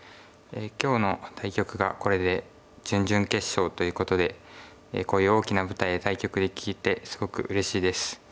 今日の対局がこれで準々決勝ということでこういう大きな舞台で対局できてすごくうれしいです。